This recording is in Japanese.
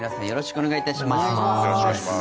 よろしくお願いします。